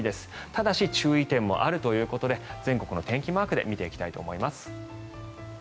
ただし注意点もあるということで全国の天気マークで見ていきたいと思います。